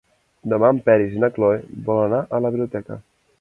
Demà en Peris i na Cloè volen anar a la biblioteca.